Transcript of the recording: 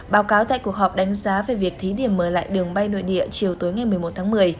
báo cáo tại cuộc họp đánh giá về việc thí điểm mở lại đường bay nội địa chiều tối ngày một mươi một tháng một mươi